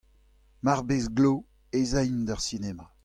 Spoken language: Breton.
Mar bez glav ez aimp d'ar sinema.